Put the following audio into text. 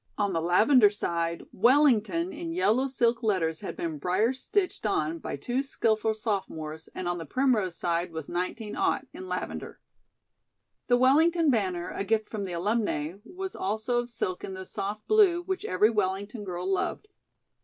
On the lavender side "WELLINGTON" in yellow silk letters had been briar stitched on by two skillful sophomores and on the primrose side was "19 " in lavender. The Wellington banner, a gift from the alumnae, was also of silk in the soft blue which every Wellington girl loved.